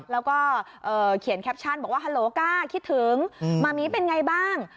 แล้วก็เขียนแคปชั่นบอกว่าฮัลโลก้าคิดถึงมามีเป็นไงบ้าง